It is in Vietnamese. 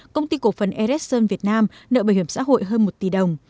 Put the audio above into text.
công ty cổ phần eresson việt nam nợ bảo hiểm xã hội hơn một tỷ đồng